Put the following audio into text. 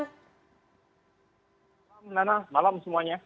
selamat malam nana malam semuanya